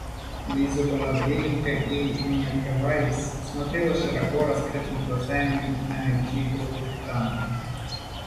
Лиза была бледненькая и, не отрываясь, смотрела широко раскрытыми глазами на дикого капитана.